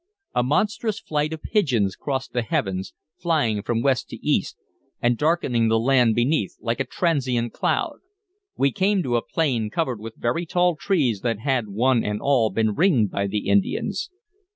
A monstrous flight of pigeons crossed the heavens, flying from west to east, and darkening the land beneath like a transient cloud. We came to a plain covered with very tall trees that had one and all been ringed by the Indians.